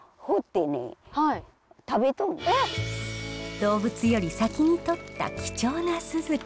動物より先にとった貴重なスズコ。